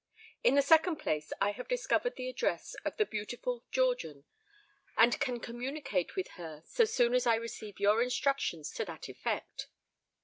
"In the second place, I have discovered the address of the beautiful Georgian; and can communicate with her so soon as I receive your instructions to that effect.